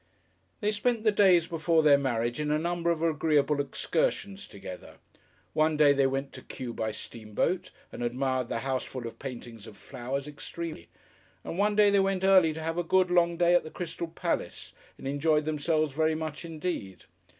They spent the days before their marriage in a number of agreeable excursions together. One day they went to Kew by steamboat, and admired the house full of paintings of flowers extremely; and one day they went early to have a good, long day at the Crystal Palace, and enjoyed themselves very much indeed.